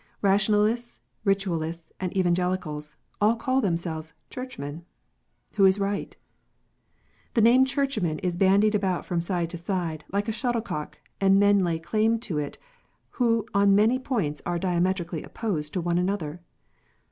Rationalists, Ritualists, and Evangelicals, all call themselves " Churchmen." Who is right ? The name "Churchman" is bandied about from side to side, like a shuttlecock, and men lay claim to it who on many points are diametrically opposed to one another.